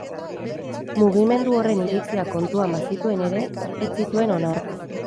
Mugimendu horren iritziak kontuan bazituen ere, ez zituen onartu.